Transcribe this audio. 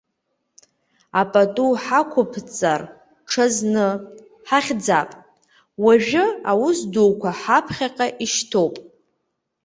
Апату ҳақәибаҵара ҽазны ҳахьӡап, уажәы аус дуқәа ҳаԥхьа ишьҭоуп.